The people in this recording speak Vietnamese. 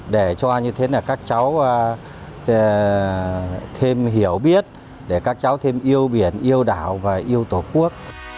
để cho như thế là các cháu thêm hiểu biết để các cháu thêm yêu biển yêu đảo và yêu tổ quốc